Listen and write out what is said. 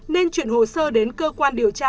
nên chuyển hồ sơ đến cơ quan điều tra